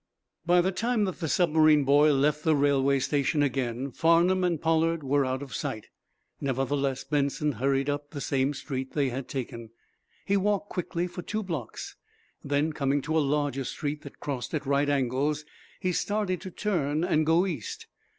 By the time that the submarine boy left the railway station again Farnum and Pollard were out of sight. Nevertheless, Benson hurried off up the same street they had taken. He walked quickly for two blocks, then, coming to a larger street that crossed at right angles, he started to turn and go east.